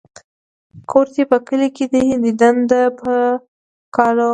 ـ کور دې په کلي کې دى ديدن د په کالو.